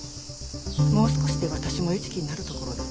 もう少しで私も餌食になるところだった。